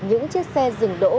những chiếc xe rừng đỗ